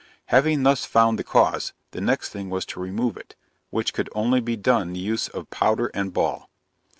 Having thus found the cause, the next thing was to remove it, which could only be done the use of powder and ball.